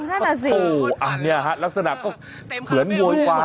เออนั่นน่ะสิโอ้อันนี้ฮะลักษณะเหมือนโหยไฟ